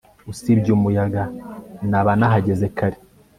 usibye umuyaga, naba nahageze kare